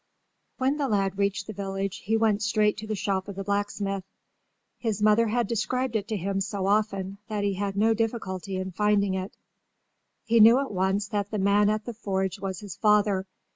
When the lad reached the village he went straight to the shop of the blacksmith. His mother had described it to him so often that he had no difficulty in finding it. He knew at once that the man at the forge was his father.